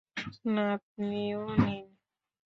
না, আপনিও নিন।